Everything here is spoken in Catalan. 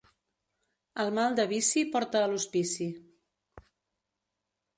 El mal de vici porta a l'hospici.